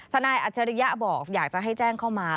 อัจฉริยะบอกอยากจะให้แจ้งเข้ามา